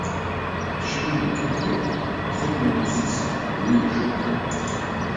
Chemin des Cabirots, trente-deux mille six cents L'Isle-Jourdain